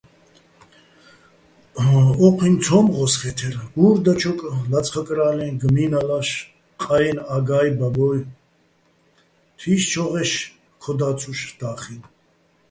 ოჴუჲნი ცომ ღოსხე́თერ, გურ დაჩოკ ლაწხაკრა́ლე, გმინალაშ, ყეჲნი აგა́ჲ, ბაბო́ჲ, თიშჩო́ღეშ ქოდა́ცუშ და́ხინი̆.